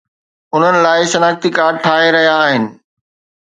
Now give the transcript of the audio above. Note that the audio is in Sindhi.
انهن لاءِ شناختي ڪارڊ ٺاهي رهيا آهن